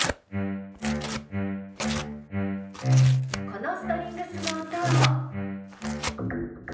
このストリングスの音を。